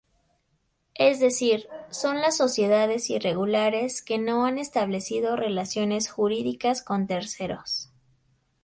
Es decir, son las sociedades irregulares que no han establecido relaciones jurídicas con terceros.